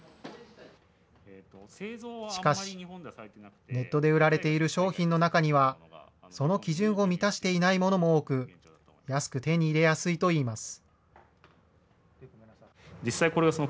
しかし、ネットで売られている商品の中には、その基準を満たしていないものも多く、安く手に入れやすいといいます。